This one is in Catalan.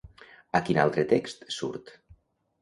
A quin altre text surt?